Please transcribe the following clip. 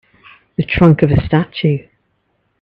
The trunk of a statue